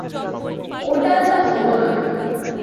ওর দ্বারা তা হল না।